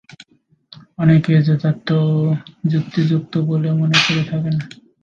অনেকেই যথার্থ ও যুক্তিযুক্ত বলে মনে করে থাকেন।